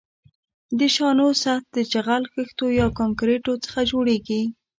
د شانو سطح د جغل، خښتو یا کانکریټو څخه جوړیږي